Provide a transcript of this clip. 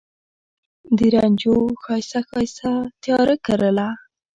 د رنجو ښایسته، ښایسته تیاره کرله